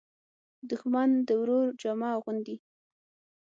دښمن د ورور جامه اغوندي